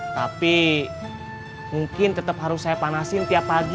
tapi mungkin tetap harus saya panasin tiap pagi